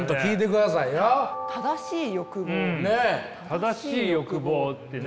「正しい欲望」ってね。